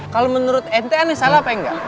kalo menurut ente aneh salah apa enggak